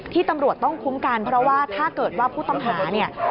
ที่ตำรวจต้องคุ้มกันเพราะว่าถ้าเกิดว่าผู้ต้องหาเนี่ย